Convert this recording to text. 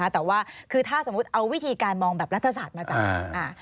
แต่ว่าคือถ้าสมมุติเอาวิธีการมองแบบรัฐศาสตร์มาจาก